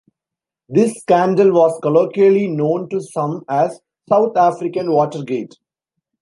This scandal was colloquially known to some as "South African Watergate".